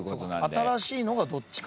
新しいのがどっちか。